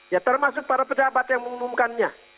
ya termasuk para pejabat yang mengumumkannya